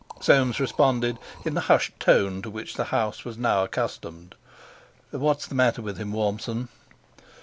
Soames responded in the hushed tone to which the house was now accustomed. "What's the matter with him, Warmson?"